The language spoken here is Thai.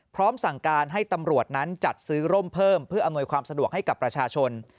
พร้อมสั่งการให้ตำรวจนั้นจัดซื้อร่มเพิ่มเพื่ออำนวยความสะดวกให้กับประชาชน